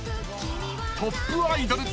［トップアイドル］